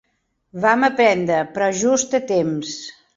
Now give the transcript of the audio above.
Vam aprendre, però just a temps.